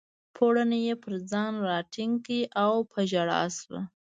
پوړنی یې پر ځان راټینګ کړ او په ژړا شوه.